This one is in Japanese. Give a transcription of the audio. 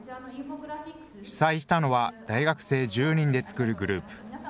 主催したのは大学生１０人で作るグループ。